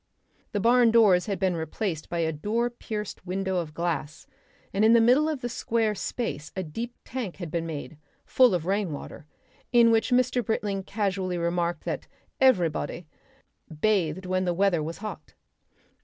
The barn doors had been replaced by a door pierced window of glass, and in the middle of the square space a deep tank had been made, full of rainwater, in which Mr. Britling remarked casually that "everybody" bathed when the weather was hot.